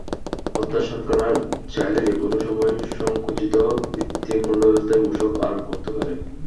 অর্থাৎ সরকার চাইলে যেকোনো সময় সংকুচিত ভিত্তিমূল্যব্যবস্থায় মূসক আরোপ করতে পারে।